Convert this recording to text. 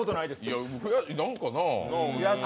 いや、何かなあ。